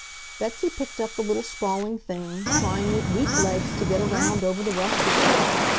Betsy picked up the little sprawling thing, trying with weak legs to get around over the rough ground.